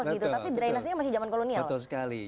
tapi drainasnya masih zaman kolonial